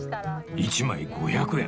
１枚５００円！